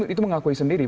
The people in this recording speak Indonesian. itu mengakui sendiri